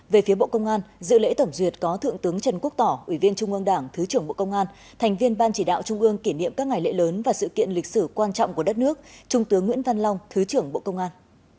về phía bộ công an dự lễ tổng duyệt có thượng tướng trần quốc tỏ ủy viên trung ương đảng thứ trưởng bộ công an thành viên ban chỉ đạo trung ương kỷ niệm các ngày lễ lớn và sự kiện lịch sử quan trọng của đất nước trung tướng nguyễn văn long thứ trưởng bộ công an